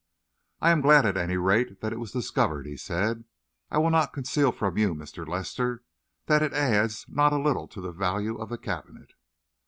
"I am glad, at any rate, that it was discovered," he said. "I will not conceal from you, Mr. Lester, that it adds not a little to the value of the cabinet."